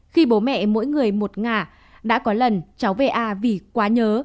khi bố mẹ mỗi người một ngả đã có lần cháu va vì quá nhớ